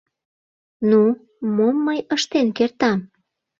— Ну, мом мый ыштен кертам?